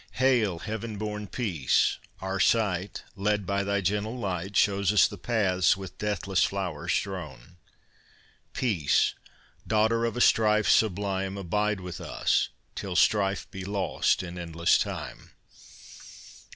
Hail, heaven born Peace! our sight, Led by thy gentle light, Shows us the paths with deathless flowers strewn. Peace, daughter of a strife sublime, Abide with us till strife be lost in endless time.